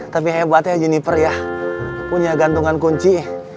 tapi hebat ya juniper ya punya gantungan kunci